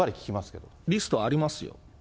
リストありますよ。